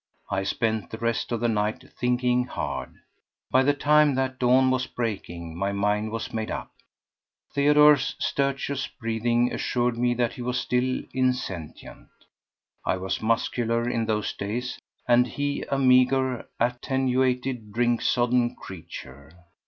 I spent the rest of the night thinking hard. By the time that dawn was breaking my mind was made up. Theodore's stertorous breathing assured me that he was still insentient. I was muscular in those days, and he a meagre, attenuated, drink sodden creature.